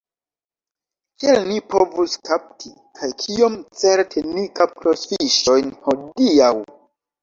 Kiel ni povus kapti, kaj kiom certe ni kaptos fiŝojn hodiaŭ?